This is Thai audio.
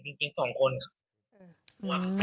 ผมเห็นจริง๒คนครับ